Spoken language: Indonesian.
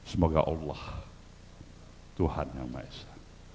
semoga allah tuhan yang maesah